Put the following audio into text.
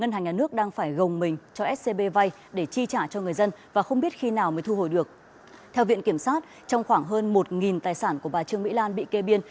trong khoảng hơn một tài sản của bà trương mỹ lan bị kê biên